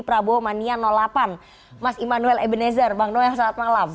prabowo mania delapan mas immanuel ebenezer bang noel selamat malam